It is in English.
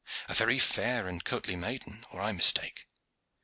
A very fair and courtly maiden, or I mistake."